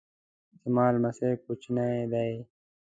زما لمسی کوچنی دی